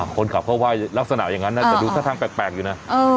อ๋อคนขับเข้าไปลักษณะอย่างนั้นน่าจะดูท่าทางแปลกอยู่นะเออ